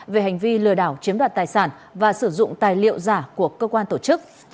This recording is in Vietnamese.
về hành vi lừa đảo chiếm đoạt tài sản và sử dụng tài liệu giả của cơ quan tổ chức